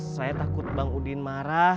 saya takut bang udin marah